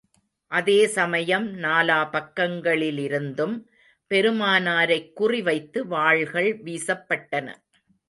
அதே சமயம் நாலா பக்கங்களிலிருந்தும் பெருமானாரைக் குறி வைத்து வாள்கள் வீசப்பட்டன.